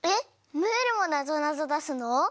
ムールもなぞなぞだすの？